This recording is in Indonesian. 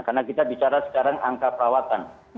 karena kita bicara sekarang angka perawatan